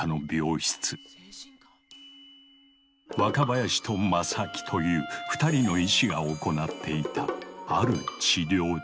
若林と正木という２人の医師が行っていたある治療実験。